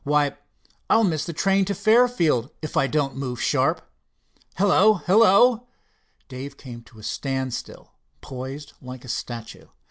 "Why, I'll miss the train to Fairfield if I don't move sharp. Hello—hello!" Dave came to a standstill, posed like a statue.